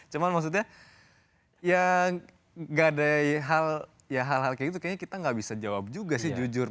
cuma maksudnya ya gak ada hal ya hal hal kayak gitu kayaknya kita nggak bisa jawab juga sih jujur